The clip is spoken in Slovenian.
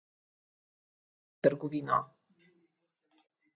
Prijateljstvo je bilo na svetu pred trgovino.